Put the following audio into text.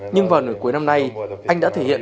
nhưng vào nửa cuối năm nay anh đã thể hiện